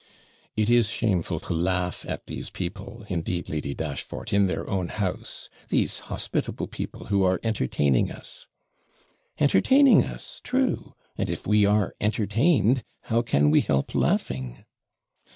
'It is shameful to laugh at these people, indeed, Lady Dashfort, in their own house these hospitable people, who are entertaining us.' 'Entertaining us! true, and if we are ENTERTAINED, how can we help laughing?'